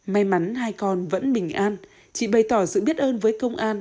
may mắn hai con vẫn bình an chị bày tỏ sự biết ơn với công an